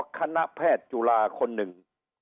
คณะแพทย์จุฬาคนหนึ่ง